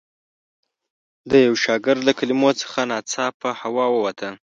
د یوه شاګرد له کلمو څخه ناڅاپه هوا ووته.